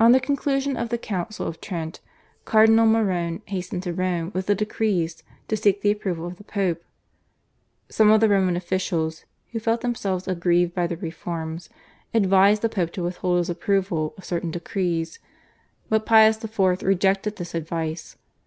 On the conclusion of the Council of Trent Cardinal Morone hastened to Rome with the decrees to seek the approval of the Pope. Some of the Roman officials, who felt themselves aggrieved by the reforms, advised the Pope to withhold his approval of certain decrees, but Pius IV. rejected this advice.